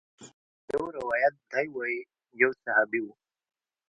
يو روايت ديه وايي يو صحابي و.